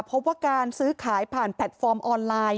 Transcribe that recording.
พบว่าการซื้อขายผ่านแพลตฟอร์มออนไลน์